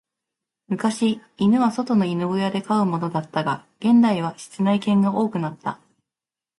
昔、犬は外の犬小屋で飼うものだったが、現代は室内犬が多くなった。